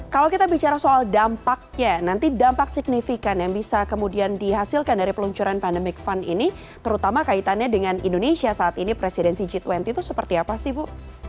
kalau kita bicara soal dampaknya nanti dampak signifikan yang bisa kemudian dihasilkan dari peluncuran pandemic fund ini terutama kaitannya dengan indonesia saat ini presidensi g dua puluh itu seperti apa sih bu